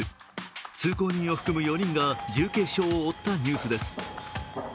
通行人を含む４人が重軽傷を負ったニュースです。